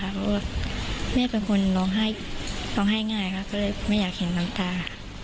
เพราะว่าแม่เป็นคนร้องไห้ร้องไห้ก็เลยไม่อยากเห็นน้ำตา